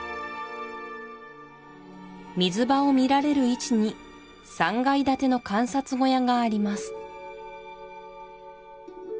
水場を見られる位置に３階建ての観察小屋があります